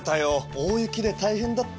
大雪で大変だった。